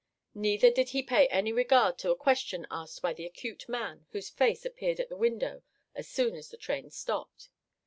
Neither did he pay any regard to a question asked by the acute man, whose face appeared at the window as soon as the train stopped.